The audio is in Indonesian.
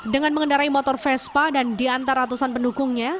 dengan mengendarai motor vespa dan diantar ratusan pendukungnya